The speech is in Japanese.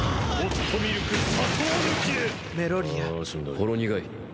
ほろ苦い。